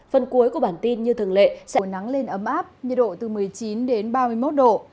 phần cuối của bản tin như thường lệ sẽ nắng lên ấm áp nhiệt độ từ một mươi chín đến ba mươi một độ